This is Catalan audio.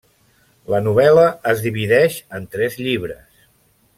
La novel·la es divideix en tres llibres.